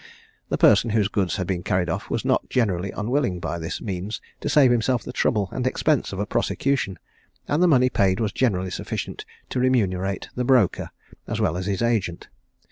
The person whose goods had been carried off was not generally unwilling by this means to save himself the trouble and expense of a prosecution, and the money paid was generally sufficient to remunerate the "broker," as well as his agent.